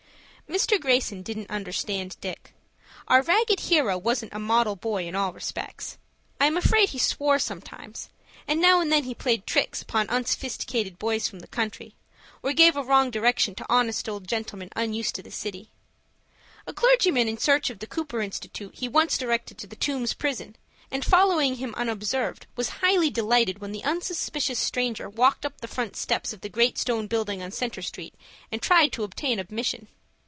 Mr. Greyson didn't understand Dick. Our ragged hero wasn't a model boy in all respects. I am afraid he swore sometimes, and now and then he played tricks upon unsophisticated boys from the country, or gave a wrong direction to honest old gentlemen unused to the city. A clergyman in search of the Cooper Institute he once directed to the Tombs Prison, and, following him unobserved, was highly delighted when the unsuspicious stranger walked up the front steps of the great stone building on Centre Street, and tried to obtain admission.